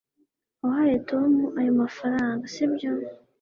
wahaye tom ayo mafaranga, sibyo